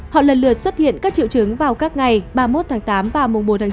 họ lần lượt xuất hiện các triệu chứng vào các ngày ba mươi một tháng tám và mùng bốn tháng chín